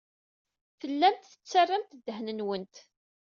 Tellamt tettarramt ddehn-nwent.